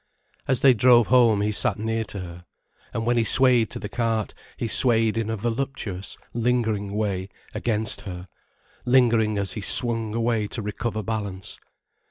As they drove home, he sat near to her. And when he swayed to the cart, he swayed in a voluptuous, lingering way, against her, lingering as he swung away to recover balance.